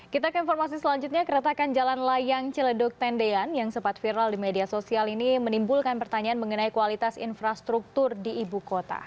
kita ke informasi selanjutnya keretakan jalan layang ciledug tendean yang sempat viral di media sosial ini menimbulkan pertanyaan mengenai kualitas infrastruktur di ibu kota